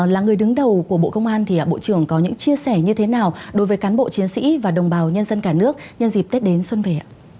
là người đứng đầu của bộ công an thì bộ trưởng có những chia sẻ như thế nào đối với cán bộ chiến sĩ và đồng bào nhân dân cả nước nhân dịp tết đến xuân về ạ